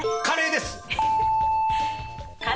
カレーです。